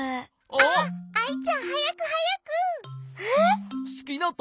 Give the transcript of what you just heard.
あっアイちゃんはやくはやく！